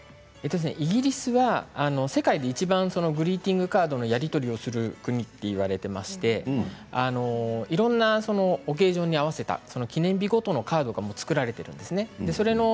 イギリスは世界でいちばんグリーティングカードのやり取りをする国といわれていましていろんなオケージョンに合わせた記念日のグリーティングカードが作られています。